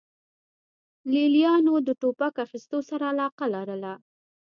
لې لیانو د ټوپک اخیستو سره علاقه لرله